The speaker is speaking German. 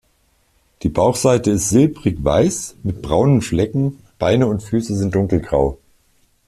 Die Bauchseite ist silbrig-weiß mit braunen Flecken, Beine und Füße sind dunkelgrau.